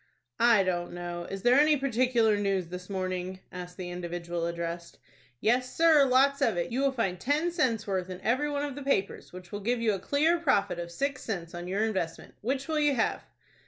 "I don't know. Is there any particular news this morning?" asked the individual addressed. "Yes, sir, lots of it. You will find ten cents' worth in every one of the papers, which will give you a clear profit of six cents on your investment. Which will you have?"